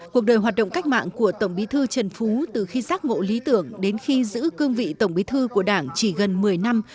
cuộc đời hoạt động cách mạng của tổng bí thư trần phú từ khi giác ngộ lý tưởng đến khi giữ cương vị tổng bí thư của đảng chỉ gần một mươi năm